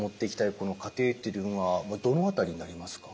このカテーテルというのはどの辺りになりますか？